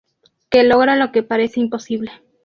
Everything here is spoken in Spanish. que logra lo que parece imposible